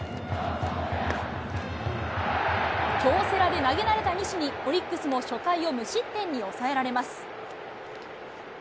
京セラで投げられた西に、オリックスも初回を無失点に抑えられます。